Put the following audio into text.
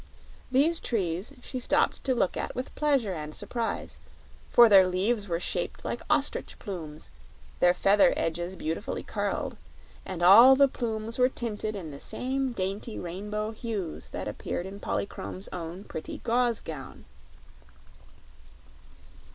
These trees she stopped to look at with pleasure and surprise, for their leaves were shaped like ostrich plumes, their feather edges beautifully curled; and all the plumes were tinted in the same dainty rainbow hues that appeared in Polychrome's own pretty gauze gown.